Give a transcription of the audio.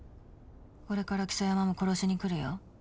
これから象山も殺しに来るよ。